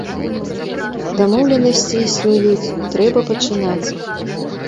Дамоўленасці існуюць, трэба пачынаць.